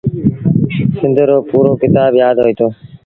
سنڌيٚ رو پورو ڪتآب يآدهوئيٚتو۔